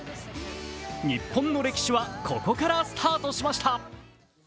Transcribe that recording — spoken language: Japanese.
日本の歴史はここからスタートしました。